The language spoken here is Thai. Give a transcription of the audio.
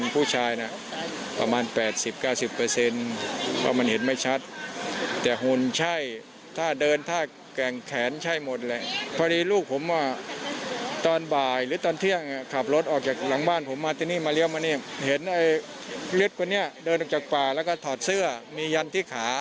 ผู้มีอาการเดินออกจากบ่ายแล้วก็ถอดเสื้อมียันทิขา